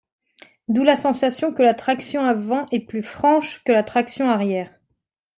D'où la sensation que la traction avant est plus “franche” que la traction arrière.